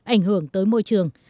ảnh hưởng tới môi trường